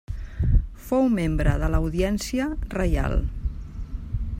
Fou membre de l'Audiència Reial.